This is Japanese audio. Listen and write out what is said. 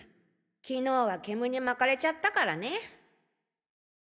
昨日は煙に巻かれちゃったからね。